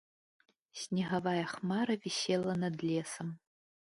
Снегавая хмара вісела над лесам.